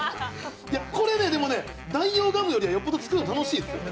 これ、でも代用ガムよりはよっぽど作るの楽しいですよ。